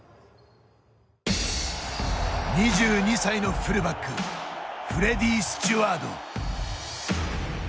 ２２歳のフルバックフレディー・スチュワード。